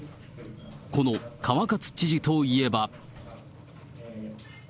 この川勝知事といえば。